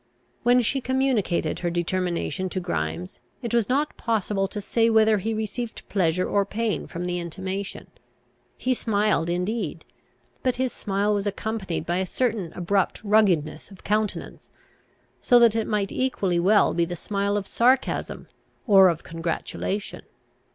When she communicated her determination to Grimes, it was not possible to say whether he received pleasure or pain from the intimation. He smiled indeed; but his smile was accompanied by a certain abrupt ruggedness of countenance, so that it might equally well be the smile of sarcasm or of congratulation.